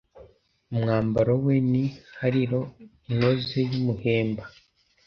umwambaro we ni hariri inoze y'umuhemba